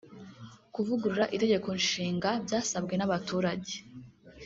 Kuvugurura itegekonshinga byasabwe n’abaturage